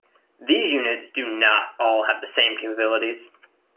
These units do not all have the same capabilities.